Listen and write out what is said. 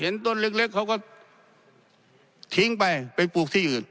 เห็นต้นเล็กเล็กเขาก็ทิ้งไปไปปลูกที่อื่น